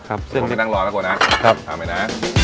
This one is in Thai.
ต้องไปนั่งรอแล้วก่อนนะครับเอาไว้นะ